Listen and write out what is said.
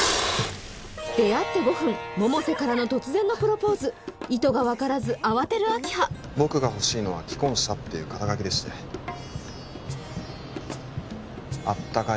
出会って５分百瀬からの突然のプロポーズ意図が分からず慌てる明葉僕が欲しいのは「既婚者」っていう肩書でしてあったかい